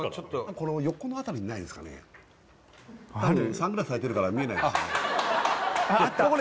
サングラスされてるから見えないですねあった！